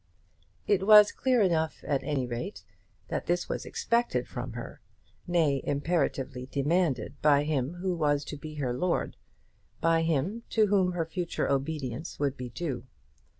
It was clear enough at any rate that this was expected from her, nay, imperatively demanded by him who was to be her lord, by him to whom her future obedience would be due.